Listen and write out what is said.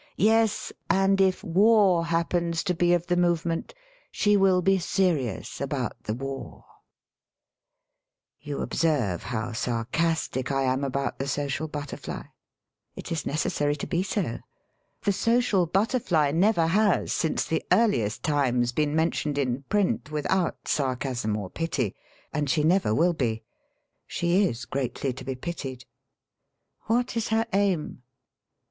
Yes, and if war happens to be of the movement, she will be serious about the war. You observe how sarcastic I am about the 1 RUNNING AWAY FROM LIFE 11 social butterfly. It is necessary to be so. The social butterfly never has since the earliest times been mentioned in print without sarcasm or pity, and she never will be. She is greatly to be pitied. What is her aim?